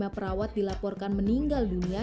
delapan puluh lima perawat dilaporkan meninggal dunia